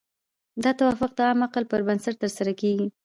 دا توافق د عام عقل پر بنسټ ترسره کیږي.